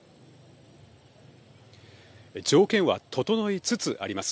条件は整いつつあります。